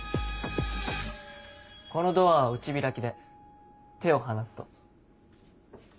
このドアは内開きで手を離すと。